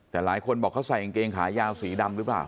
แต่หลายคนบอกเขาใส่กางเกงขายาวสีดำหรือเปล่า